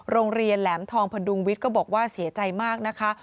แหลมทองพดุงวิทย์ก็บอกว่าเสียใจมากนะคะ